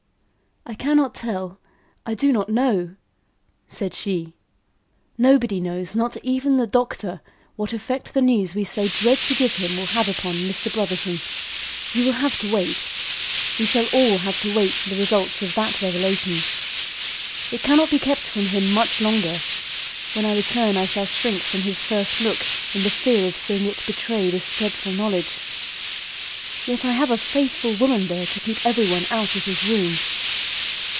"I cannot tell; I do not know," said she. "Nobody knows, not even the doctor, what effect the news we so dread to give him will have upon Mr. Brotherson. You will have to wait we all shall have to wait the results of that revelation. It cannot be kept from him much longer. When I return, I shall shrink from his first look, in the fear of seeing it betray this dreadful knowledge. Yet I have a faithful woman there to keep every one out of his room."